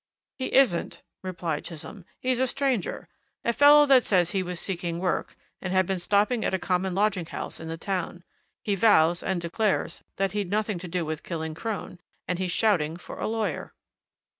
"He isn't," replied Chisholm. "He's a stranger a fellow that says he was seeking work, and had been stopping at a common lodging house in the town. He vows and declares that he'd nothing to do with killing Crone, and he's shouting for a lawyer."